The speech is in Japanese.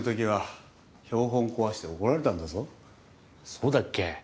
そうだっけ？